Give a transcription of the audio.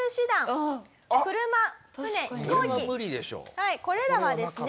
はいこれらはですね。